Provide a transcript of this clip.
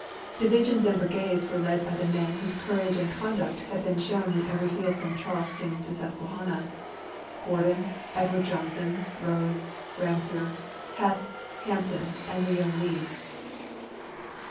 Di\dsions and brigades were led by the men whose courage and conduct had been shown in every field from Charleston to the Susquehanna : Gordon, Ed ward Johnson, Rodes, Ramseur, Heth, Hampton, and the young Lees.